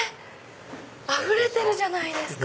あふれてるじゃないですか！